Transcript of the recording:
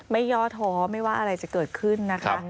ย่อท้อไม่ว่าอะไรจะเกิดขึ้นนะคะ